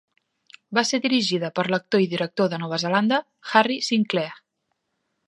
Va ser dirigida per l'actor i director de Nova Zelanda Harry Sinclair.